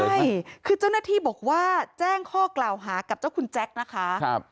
ใช่คือเจ้าหน้าที่บอกว่าแจ้งข้อกล่าวหากับเจ้าคุณแจ๊คนะคะ